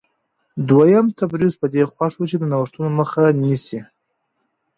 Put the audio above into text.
دویم تبریوس په دې خوښ و چې د نوښتونو مخه نیسي